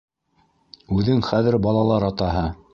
Үҙең хәҙер балалар атаһы.